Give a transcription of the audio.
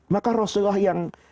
maka rasulullah yang